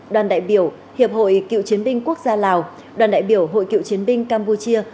đoàn đại biểu hiệp hội cựu chiến binh quốc gia lào đoàn đại biểu hội cựu chiến binh campuchia